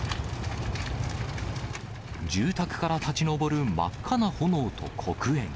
住宅から立ち上る真っ赤な炎と黒煙。